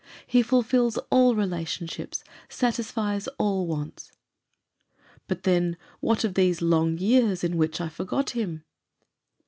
He fulfils all relationships, satisfies all wants." "But then, what of those long years in which I forgot him!"